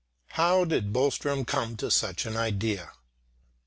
How did Boström come by such an idea?